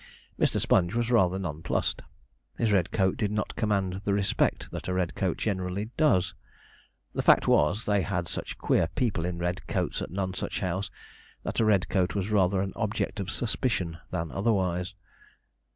Mr. Sponge was rather nonplussed. His red coat did not command the respect that a red coat generally does. The fact was, they had such queer people in red coats at Nonsuch House, that a red coat was rather an object of suspicion than otherwise.